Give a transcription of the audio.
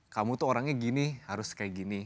kamu tuh orangnya gini harus kayak gini